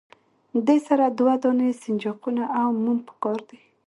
دې سره دوه دانې سنجاقونه او موم پکار دي.